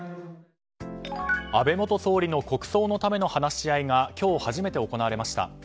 安倍元総理の国葬のための話し合いが今日初めて行われました。